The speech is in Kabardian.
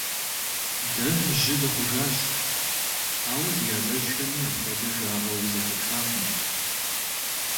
Дэ жьы дыхъужащ, ауэ ди адэжьхэми апхуэдэ жаӀэу зэхэтхакъым.